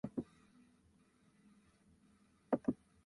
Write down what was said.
店に入ると客は少なくすぐに料理が出てきた